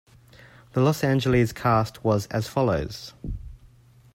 The Los Angeles cast was as follows.